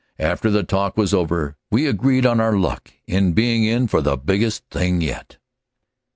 After the talk was over we agreed on our luck in being in for the biggest thing yet.